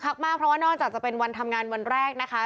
มากเพราะว่านอกจากจะเป็นวันทำงานวันแรกนะคะ